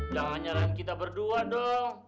jangan jangan kita berdua dong